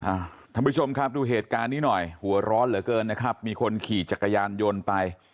ท่านผู้ชมครับดูเหตุการณ์นี้หน่อยหัวร้อนเหลือเกินนะครับมีคนขี่จักรยานยนต์ไป